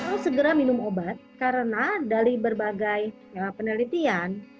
harus segera minum obat karena dari berbagai penelitian